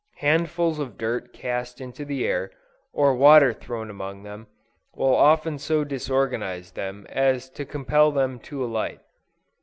Handfulls of dirt cast into the air, or water thrown among them, will often so disorganize them as to compel them to alight.